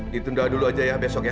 ditunda dulu aja ya besok ya